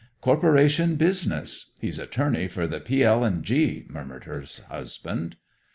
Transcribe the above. "Corporation business. He's attorney for the P. L. and G.," murmured her husband.